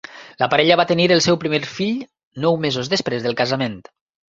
La parella va tenir el seu primer fill nou mesos després del casament.